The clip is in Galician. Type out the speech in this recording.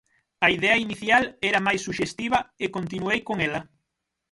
A idea inicial era máis suxestiva e continuei con ela.